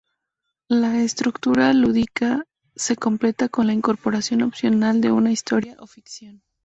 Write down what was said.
La estructura lúdica se completa con la incorporación opcional de una historia o ficción.